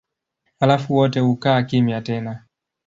Halafu wote hukaa kimya tena.